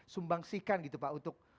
sumbangsikan gitu pak untuk